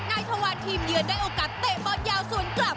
ทวันทีมเยือนได้โอกาสเตะบอลยาวสวนกลับ